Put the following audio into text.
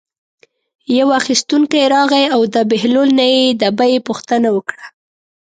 یو اخیستونکی راغی او د بهلول نه یې د بیې پوښتنه وکړه.